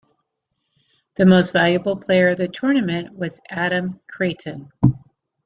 The Most Valuable Player of the Tournament was Adam Creighton.